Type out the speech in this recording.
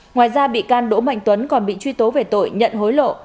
ngoài ra bị can đỗ mạnh tuấn còn bị truy tố về tội nhận hối lộ